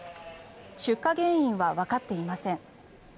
出火原因はわかっていません。